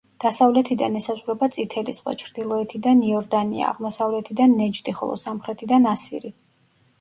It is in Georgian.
დასავლეთიდან ესაზღვრება წითელი ზღვა, ჩრდილოეთიდან იორდანია, აღმოსავლეთიდან ნეჯდი, ხოლო სამხრეთიდან ასირი.